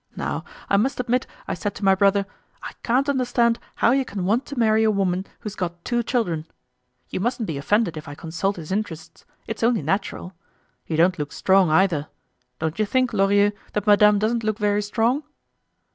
Now, I must admit I said to my brother: 'I can't understand how you can want to marry a woman who's got two children.' You mustn't be offended if I consult his interests; its only natural. You don't look strong either. Don't you think, Lorilleux, that madame doesn't look very strong?"